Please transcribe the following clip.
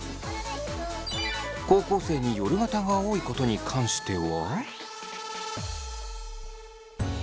高校生に夜型が多いことに関しては。